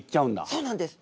そうなんです！